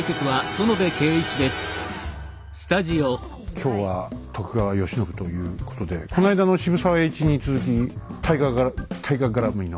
今日は徳川慶喜ということでこないだの渋沢栄一に続き大河がら大河絡みの。